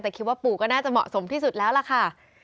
แต่คิดว่าปู่ก็น่าจะเหมาะสมที่สุดแล้วล่ะค่ะ